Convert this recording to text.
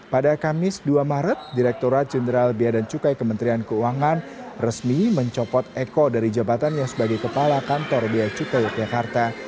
pada kamis dua maret direkturat jenderal biaya dan cukai kementerian keuangan resmi mencopot eko dari jabatannya sebagai kepala kantor biaya cukai yogyakarta